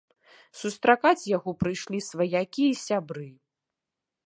Сустракаць яго прыйшлі сваякі і сябры.